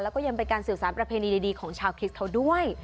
แล้วก็ยังเป็นการสื่อสารประเพณีดีของชาวคริสต์เขาด้วย